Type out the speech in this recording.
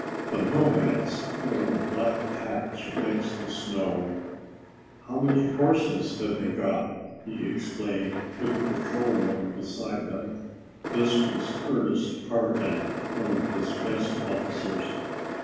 The nomads were a black patch against the snow. "How many horses have they got?" he exclaimed to the patrolman beside him. This was Ernest Parkin, one of his best officers.